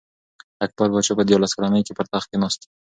اکبر پاچا په دیارلس کلنۍ کي پر تخت کښېناست.